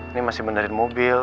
ini masih benderit mobil